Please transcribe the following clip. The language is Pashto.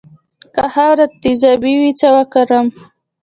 که خاوره تیزابي وي څه وکړم؟